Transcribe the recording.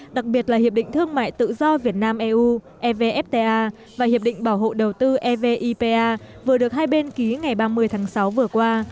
đặc biệt là hiệp định thương mại tự do việt nam eu evfta và hiệp định bảo hộ đầu tư evipa vừa được hai bên ký ngày ba mươi tháng sáu vừa qua